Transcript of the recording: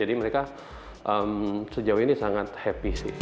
jadi mereka sejauh ini sangat berhasil